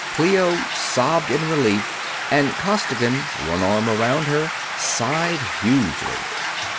Clio sobbed in relief and Costigan, one arm around her, sighed hugely.